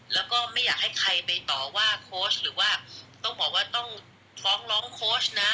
แล้วก็ไม่อยากให้ใครไปต่อว่าโค้ชหรือว่าต้องบอกว่าต้องฟ้องร้องโค้ชนะ